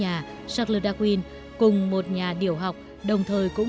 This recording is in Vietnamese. khi ông trở về tới quê nhà charles darwin cùng một nhà điều học đồng thời đã tạo ra một tư tưởng